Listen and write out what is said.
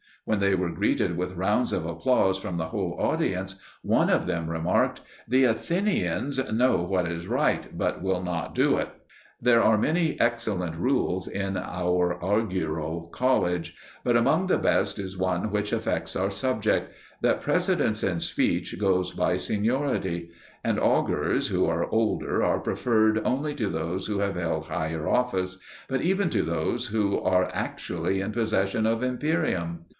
When they were greeted with rounds of applause from the whole audience, one of them remarked: "The Athenians know what is right, but will not do it." There are many excellent rules in our augural college, but among the best is one which affects our subject that precedence in speech goes by seniority; and augurs who are older are preferred only to those who have held higher office, but even to those who are actually in possession of imperium.